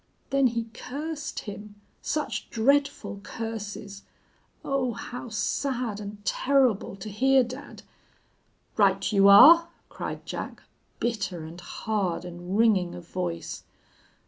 Then he cursed him. Such dreadful curses! Oh, how sad and terrible to hear dad! "Right you are!' cried Jack, bitter and hard and ringing of voice.